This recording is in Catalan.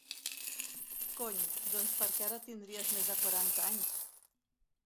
Cony, doncs perquè ara tindries més de quaranta anys!